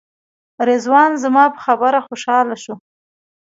رضوان زما په خبره خوشاله شو.